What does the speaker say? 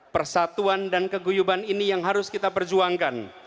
persatuan dan keguyuban ini yang harus kita perjuangkan